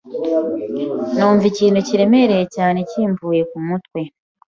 numva ikintu kiremereye cyane kimvuye ku mutwe